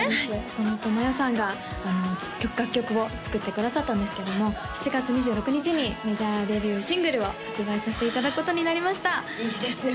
岡本真夜さんが楽曲を作ってくださったんですけども７月２６日にメジャーデビューシングルを発売させていただくことになりましたいいですね